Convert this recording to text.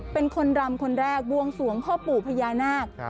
เป็นคนรำคนแรกบวงสวงพ่อปู่พญานาค